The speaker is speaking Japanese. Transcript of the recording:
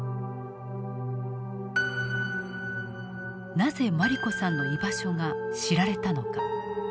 なぜ茉莉子さんの居場所が知られたのか。